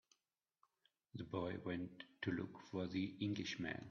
The boy went to look for the Englishman.